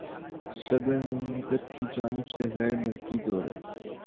صدر مملکت کی جانب سے غیر ملکی دوروں